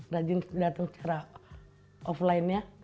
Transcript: rajin datang secara offline nya